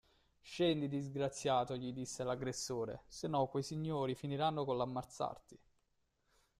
Scendi disgraziato gli disse l'aggressore se no quei signori finiranno coll'ammazzarti.